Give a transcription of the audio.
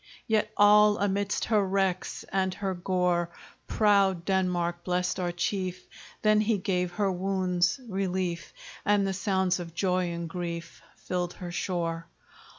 Yet all amidst her wrecks, And her gore, Proud Denmark blest our chief That he gave her wounds relief; And the sounds of joy and grief Filled her shore.